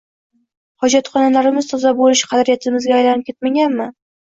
Hojatxonalarimiz toza bo‘lishi qadriyatimizga aylanib ketmaganmi?